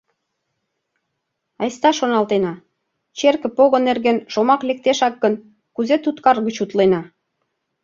Айста шоналтена, черке пого нерген шомак лектешак гын, кузе туткар гыч утлена?